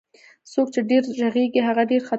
څوک چي ډير ږغږي هغه ډير خطاوزي